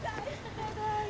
ただいま。